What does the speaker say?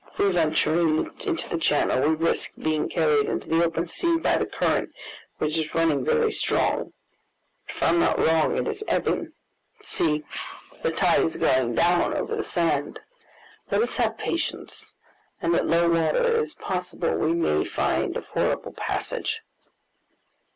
If we venture into the channel, we risk being carried into the open sea by the current, which is running very strong; but, if I'm not wrong, it is ebbing. See, the tide is going down over the sand. Let us have patience, and at low water it is possible we may find a fordable passage."